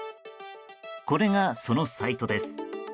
これが、そのサイトです。